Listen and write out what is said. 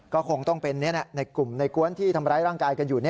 ก็คงต้องเป็นในกลุ่มในกวนที่ทำร้ายร่างกายกันอยู่